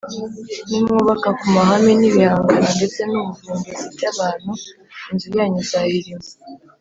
nimwubaka ku mahame n’ibihangano ndetse n’ubuvumbuzi by’abantu, inzu yanyu izahirima